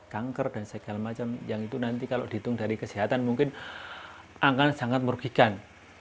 kanker dan segala macam yang itu nanti kalau dihitung dari kesehatan mungkin akan sangat merugikan